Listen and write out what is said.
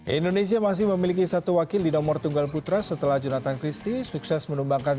indonesia masih memiliki satu wakil di nomor tunggal putra setelah jonathan christie sukses menumbangkan